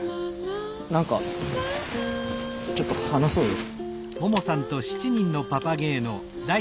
何かちょっと話そうよ。